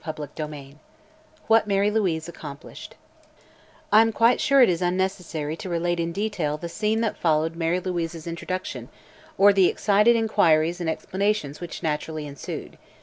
CHAPTER XXVI WHAT MARY LOUISE ACCOMPLISHED I am quite sure it is unnecessary to relate in detail the scene that followed Mary Louise's introduction or the excited inquiries and explanations which naturally ensued.